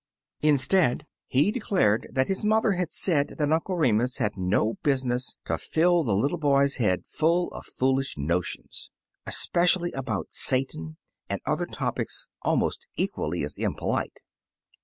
In stead, he declared that his mother had said that Uncle Remus had no business to fill 53 Uncle Remus Returns the little boy's head full of foolish notions, especially about Satan, and other topics almost equally as impolite.